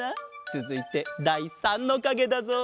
つづいてだい３のかげだぞ。